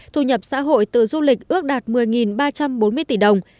thu nhập xã hội từ du lịch ước đạt một mươi ba trăm bốn mươi tỷ đồng